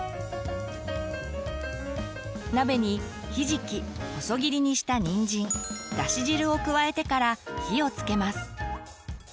鍋にひじき細切りにしたにんじんだし汁を加えてから火をつけます。